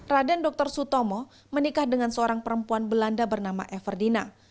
raden dr sutomo menikah dengan seorang perempuan belanda bernama everdina